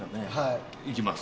いきます。